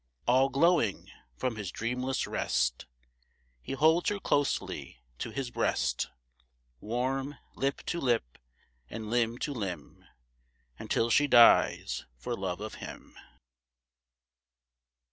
All glowing from his dreamless rest He holds her closely to his breast, Warm lip to lip and limb to limb, Until she dies for love of him.